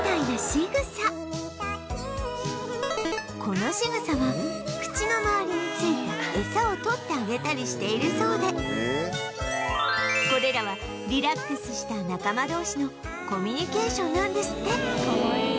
このしぐさは口の周りについた餌を取ってあげたりしているそうでこれらはリラックスした仲間同士のコミュニケーションなんですって